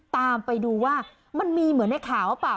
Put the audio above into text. ตามไปดูว่ามันมีเหมือนในข่าวหรือเปล่า